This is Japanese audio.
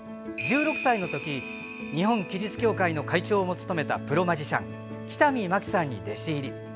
１６歳のとき日本奇術協会の会長も務めたプロマジシャン北見マキさんに弟子入り。